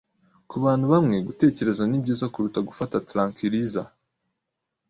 Kubantu bamwe, gutekereza ni byiza kuruta gufata tranquilisers.